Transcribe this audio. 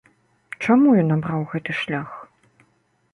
Чаму ён абраў гэты шлях?